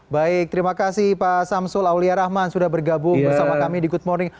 baik terima kasih pak samsul aulia rahman sudah bergabung bersama kami di good morning